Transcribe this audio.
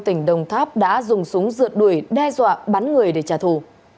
tỉnh đồng tháp đã dùng súng rượt đuổi đe dọa bắn người để trả thù